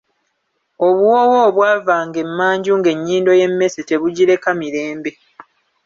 Obuwoowo obw'ava nga emanju ng'ennyindo y'emmese tebugireka mirembe!